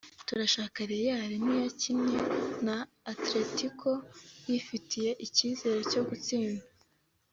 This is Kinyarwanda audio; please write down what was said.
turashaka Real Madrid nk’iyakinnye na Atletico yifitiye icyizere cyo gutsinda